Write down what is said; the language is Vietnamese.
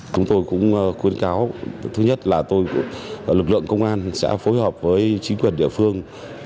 chúng tôi cũng khuyến cáo thứ nhất là tôi lực lượng công an sẽ phối hợp với chính quyền địa phương